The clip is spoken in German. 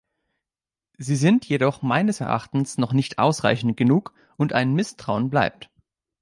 Sie sind jedoch meines Erachtens noch nicht ausreichend genug, und ein Misstrauen bleibt.